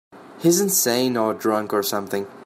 He's insane or drunk or something.